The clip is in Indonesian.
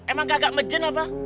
emang kagak mejen apa